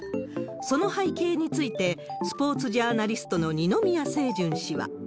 その背景について、スポーツジャーナリストの二宮清純氏は。